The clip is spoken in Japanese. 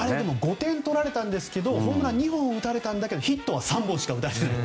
５点を取られたんですがホームラン２本打たれたんですがヒットは３本しか打たれていない。